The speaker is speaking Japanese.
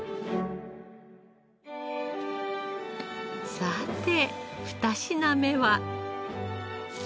さて２品目は。